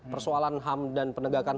persoalan ham dan penegakan